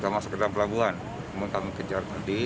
masuk ke dalam pelabuhan kami kejar tadi